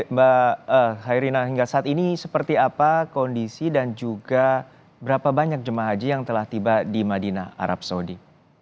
mbak hairina hingga saat ini seperti apa kondisi dan juga berapa banyak jemaah haji yang telah tiba di madinah arab saudi